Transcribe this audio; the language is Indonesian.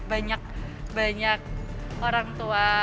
banyak orang tua